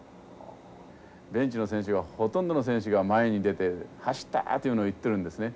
ベンチの選手がほとんどの選手が前に出て「走った！」っていうの言ってるんですね。